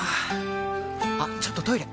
あっちょっとトイレ！